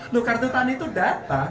loh kartu tani itu data